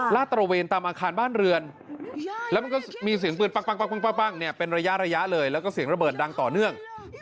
ตระเวนตามอาคารบ้านเรือนแล้วมันก็มีเสียงปืนปั้งเนี่ยเป็นระยะเลยแล้วก็เสียงระเบิดดังต่อเนื่อง